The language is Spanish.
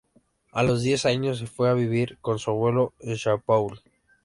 A los diez años se fue a vivir con su abuelo en São Paulo.